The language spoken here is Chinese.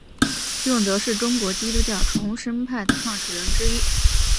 徐永泽是中国基督教重生派的创始人之一。